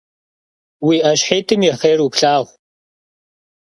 Vui 'eşhit'ım yi xhêr vulhağu!